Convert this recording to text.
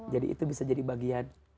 jadi itu bisa jadi bagian